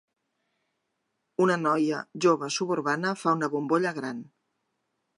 Una noia jove suburbana fa una bombolla gran.